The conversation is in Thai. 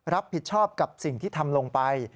รับผิดชอบกับสิ่งที่ทำลงไป